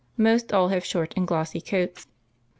Most all have short and glossy coats.